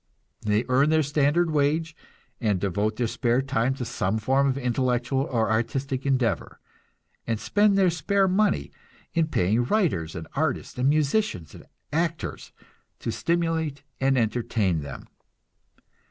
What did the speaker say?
They earn their standard wage, and devote their spare time to some form of intellectual or artistic endeavor, and spend their spare money in paying writers and artists and musicians and actors to stimulate and entertain them.